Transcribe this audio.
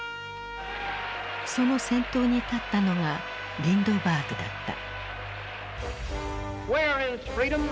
その先頭に立ったのがリンドバーグだった。